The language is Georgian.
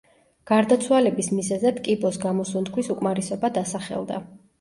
გარდაცვალების მიზეზად კიბოს გამო სუნთქვის უკმარისობა დასახელდა.